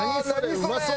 うまそう！